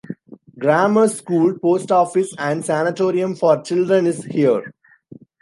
Grammar school, post office and sanatorium for children is here.